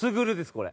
これ。